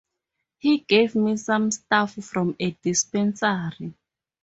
He gave me some stuff from a dispensary.